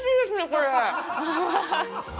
これ。